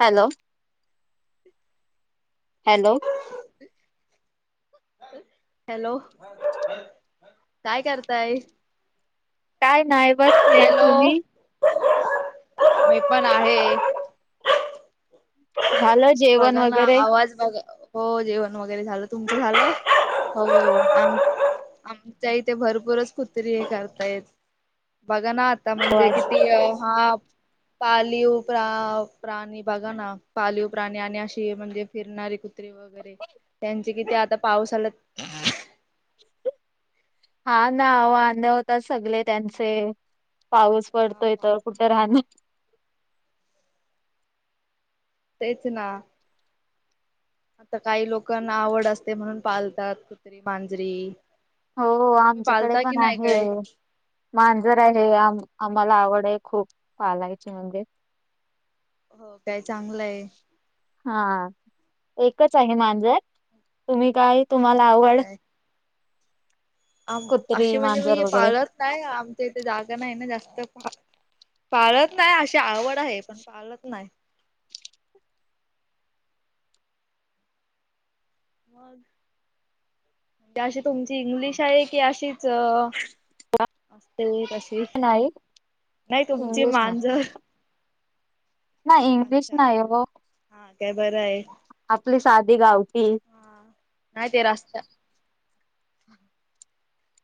Hello, hello. Hello, काय करताय? काय नाही, बसले. हॅलो तुम्ही? मी पण आहे. झालं जे बघा ना, आवाज बघा. हो, जेवण वगैरे झालं. तुमचं झालं? हो. आम [unintelligible] इथे भरपूरच कुत्री हे करतायेत, बघा ना आता म्हणजे आज किती हा पालीव प्रा प्राणी बघा ना. पालीव प्राणी आणि अशी म्हणजे फिरणारी कुत्रीे वगैरे, त्यांचे किती आता पाऊस आला हा ना, वांदे होतात सगळे त्यांचे पाऊस पडतोय तर कुठं राहणं? तेच ना. आता काही लोकांना आवड अस ते म्हणून पालतात कुत्री, मांजरी. हो, तुम्ही आमच्याकडे पाळता की पण नाही आहे. काय? मांजर आहे, अच्छा आम आम्हाला आवड आहे खूप पालायची म्हणजे. हो काय चांगलंय. हा एकच आहे मांजर. तुम्ही काय? तुम्हाला हा आवड? काय आम अशी कुत्री म्हणजे मांजर मी वगैरे पाळलत नाय. आमच्या इथे जागा नाय ना जास्त पाळत नाय, अशी आवड आहे. पण पाळत नाय. मग अशी तुमची इंग्लिश आहे की, अशीच असते कशी? नाही नाही तुमची इंग्लिश नाही मांजर नाही इंग्लिश अच्छा नाही हो, हा काय बरं आहे आपली साधी गावठी. हा, नाही ते रस्त्या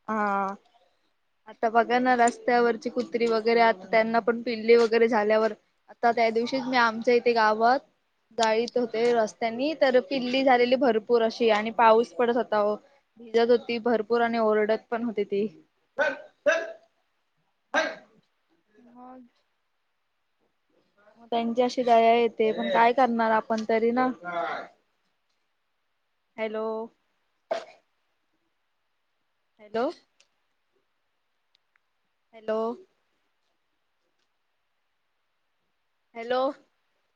हा. आता बघा ना, रस्त्यावरची कुत्री वगैरे. आता त्यांना पण पिल्ली वगैरे झाल्यावर आता त्या दिवशीच मी आमच्या इथे गावत जाईत होते रस्त्यानी, तर पिल्ली झालेली भरपूर अशी आणि पाऊस पडत होता हो. भिजत होती भरपूर आणि ओरडत पण होती ती. [unintelligible] मग त्यांची अशी दया येते, पण काय करणार आपण तरी ना. हॅलो. हॅलो. हॅलो. हॅलो.